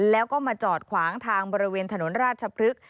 แล้วก็มาจอดขวางทางบริเวณถนนราชพฤกษ์